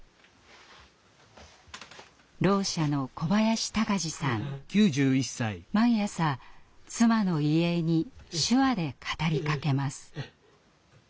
ろう者の毎朝妻の遺影に手話で語りかけます。